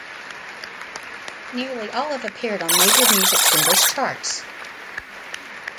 Nearly all have appeared on major music singles charts.